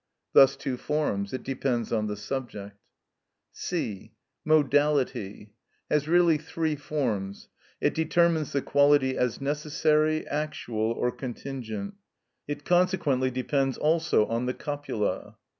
Thus two forms. It depends on the subject. (c.) Modality: has really three forms. It determines the quality as necessary, actual, or contingent. It consequently depends also on the copula.